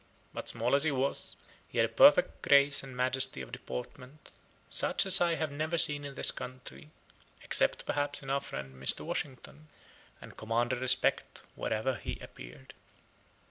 But small as he was, he had a perfect grace and majesty of deportment, such as I have never seen in this country, except perhaps in our friend Mr. Washington, and commanded respect wherever he appeared.